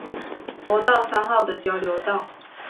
國道三號的交流道